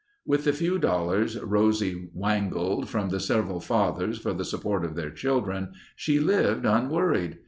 With the few dollars Rosie wangled from the several fathers for the support of their children, she lived unworried.